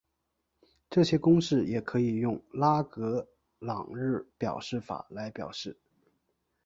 这些公式也可以用拉格朗日表示法来表示。